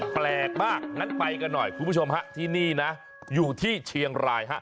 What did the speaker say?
แปลกมากพรุ่งไปกันหน่อยที่นี่นะอยู่ที่เชียงราย